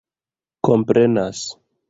komprenas